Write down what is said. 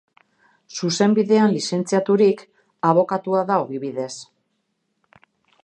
Zuzenbidean lizentziaturik, abokatua da ogibidez.